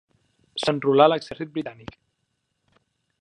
S'enrolà a l'exèrcit britànic.